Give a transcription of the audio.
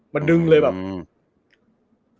มาดึงเลยแบบ